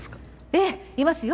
ええいますよ。